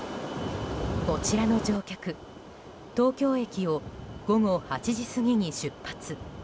こちらの乗客東京駅を午後８時過ぎに出発。